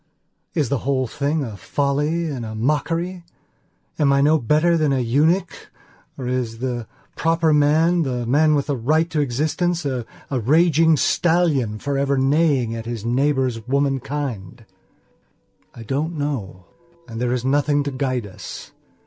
Is the whole thing a folly and a mockery? Am I no better than a eunuch or is the proper manthe man with the right to existencea raging stallion forever neighing after his neighbour's womankind? I don't know. And there is nothing to guide us.